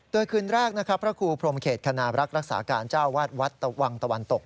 โดยคืนแรกนะครับพระครูพรมเขตคณรักษ์รักษาการเจ้าวาดวัดตะวังตะวันตก